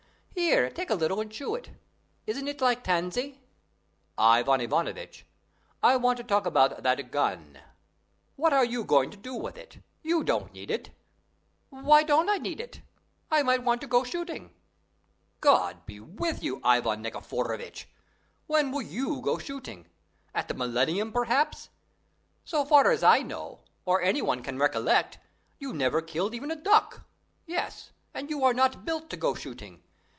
Here, take a little and chew it; isn't it like tansy?" "Ivan Nikiforovitch, I want to talk about that gun; what are you going to do with it? You don't need it." "Why don't I need it? I might want to go shooting." "God be with you, Ivan Nikiforovitch! When will you go shooting? At the millennium, perhaps? So far as I know, or any one can recollect, you never killed even a duck; yes, and you are not built to go shooting.